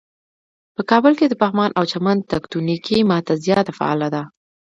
په کابل کې د پغمان او چمن تکتونیکی ماته زیاته فعاله ده.